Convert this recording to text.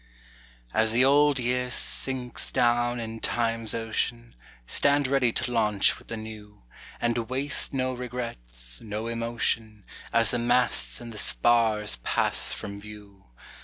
As the old year sinks down in Time's ocean, Stand ready to launch with the new, And waste no regrets, no emotion, As the masts and the spars pass from view.